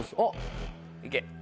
いけ。